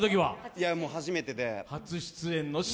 いやもう、初めてで。